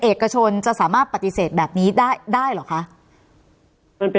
เอกชนจะสามารถปฏิเสธแบบนี้ได้ได้เหรอคะ